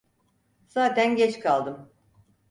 Zaten geç kaldım.